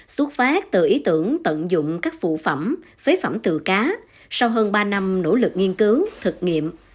xuất phát từ ý tưởng tận dụng các phụ phẩm phế phẩm từ cá sau hơn ba năm nỗ lực nghiên cứu thực nghiệm